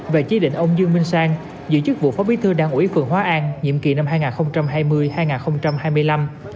và chỉ định ông dương minh sang giữ chức vụ phó bí thư đảng ủy phường hóa an nhiệm kỳ năm hai nghìn hai mươi hai nghìn hai mươi năm